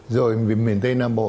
rồi miền tây nam bộ